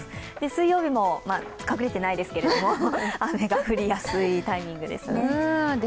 水曜日も隠れてないですけど雨が降りやすいタイミングですね。